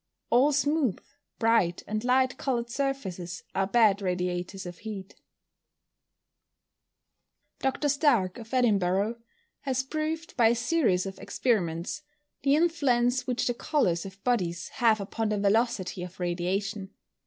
_ All smooth, bright, and light coloured surfaces are bad radiators of heat. Dr. Stark, of Edinburgh, has proved, by a series of experiments, the influence which the colours of bodies have upon the velocity of radiation.